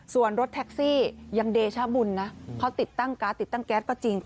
ส่วนรถแท็กซี่ยังเดชบุญนะเขาติดตั้งการ์ดติดตั้งแก๊สก็จริง